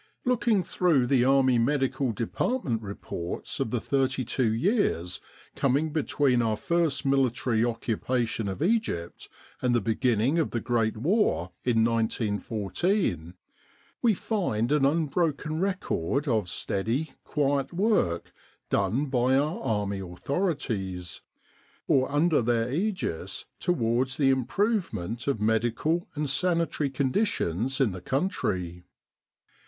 Looking through the Army Medical Department Reports of the thirty two years coming between our first military occupation of Egypt and the beginning of the Great War in 1914, we find an unbroken record of steady, quiet work done by our Army authorities, 6 Retrospect or under their aegis, towards the improvement of medical and sanitary conditions in the country.